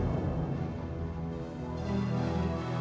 mentor kan udah makan siang pak